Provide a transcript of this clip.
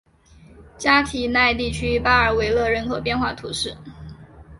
加提奈地区巴尔维勒人口变化图示